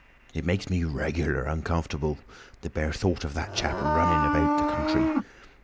"It makes me regular uncomfortable, the bare thought of that chap running about the country!